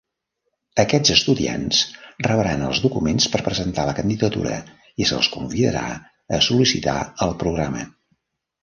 Aquests estudiants rebran els documents per presentar la candidatura i se'ls convidarà a sol·licitar el programa.